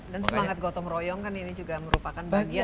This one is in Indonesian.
dan semangat gotong royong kan ini juga merupakan bahagian